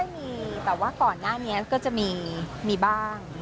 ตอนนี้ไม่ค่อยมีแต่ว่าก่อนหน้านี้ก็จะมีมีบ้าง